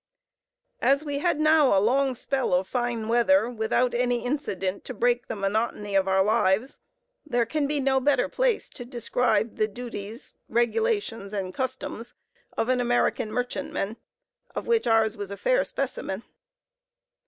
As we had now a long "spell" of fine weather, without any incident to break the monotony of our lives, there can be no better place to describe the duties, regulations, and customs of an American merchantman, of which ours was a fair specimen.